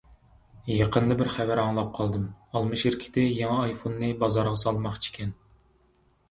يېقىندا بىر خەۋەر ئاڭلاپ قالدىم: ئالما شىركىتى يېڭى ئايفوننى بازارغا سالماقچىكەن.